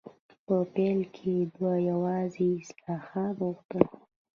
په پیل کې دوی یوازې اصلاحات غوښتل.